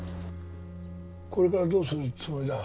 これからどうするつもりだ？